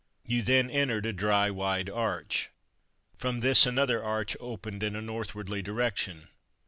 You then entered a dry, wide arch. From this another arch opened in a northwardly direction.